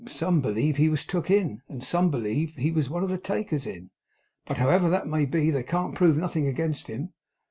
Some believe he was took in, and some believe he was one of the takers in; but however that may be, they can't prove nothing against him.